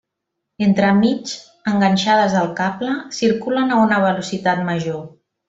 Entremig, enganxades al cable, circulen a una velocitat major.